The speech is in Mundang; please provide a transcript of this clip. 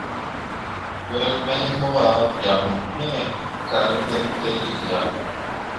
Wel mai mu ah bian iŋ kah ne ɓentǝǝri ah.